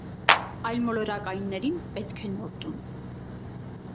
Այլմոլորակայիններին պետք է նոր տուն։